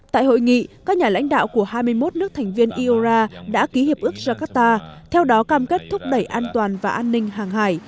tại hội nghị các nhà lãnh đạo của hai mươi một nước thành viên iora đã ký hiệp ước jakarta theo đó cam kết thúc đẩy an toàn và an ninh hàng hải